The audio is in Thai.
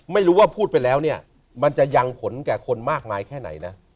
ไม่รู้ว่าพูดไปแล้วเนี่ยมันจะยังผลแก่คนมากมายแค่ไหนนะ